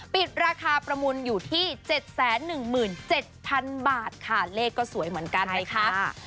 ปิดราคาประมูลอยู่ที่๗๑๗๐๐บาทค่ะเลขก็สวยเหมือนกันนะคะ